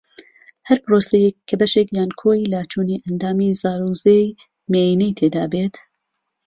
ھەر پرۆسەیەک کە بەشێک یان کۆی لاچوونی ئەندامی زاوزێی مێینەی تێدا بێت